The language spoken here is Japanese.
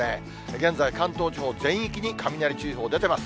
現在、関東地方全域に雷注意報出てます。